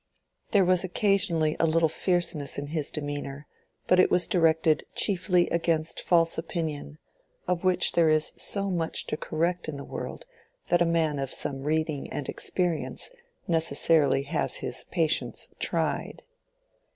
There was occasionally a little fierceness in his demeanor, but it was directed chiefly against false opinion, of which there is so much to correct in the world that a man of some reading and experience necessarily has his patience tried.